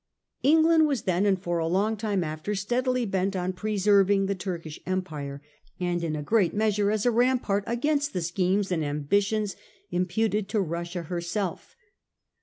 England was then and for a long time after steadily bent on preserving the Turkish Empire, and in a great measure as a rampart against the schemes and ambitions imputed to Russia herself.